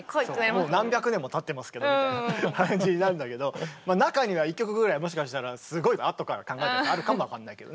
もう何百年もたってますけどみたいな感じになるんだけど中には１曲ぐらいもしかしたらすごいあとから考えたのがあるかも分かんないけどね。